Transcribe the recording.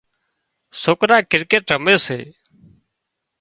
سوڪرا ڪرڪيٽ رمي سي